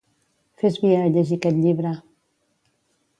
Fes via a llegir aquest llibre.